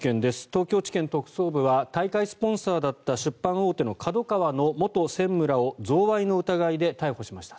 東京地検特捜部は大会スポンサーだった出版大手のＫＡＤＯＫＡＷＡの元専務らを贈賄の疑いで逮捕しました。